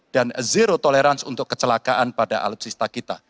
dan zero tolerance untuk kecelakaan pada alutsista kita